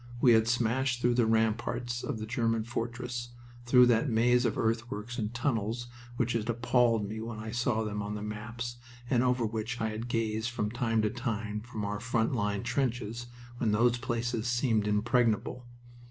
We had smashed through the ramparts of the German fortress, through that maze of earthworks and tunnels which had appalled me when I saw them on the maps, and over which I had gazed from time to time from our front line trenches when those places seemed impregnable.